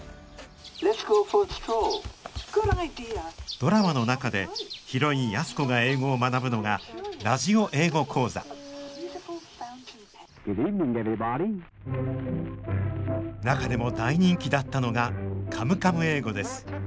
ドラマの中でヒロイン安子が英語を学ぶのがラジオ英語講座中でも大人気だったのが「カムカム英語」です。